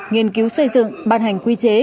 nghiên cứu xây dựng bàn hành quy chế